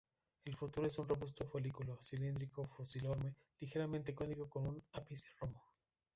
El fruto es un robusto folículo, cilíndrico-fusiforme, ligeramente cónico con un ápice romo.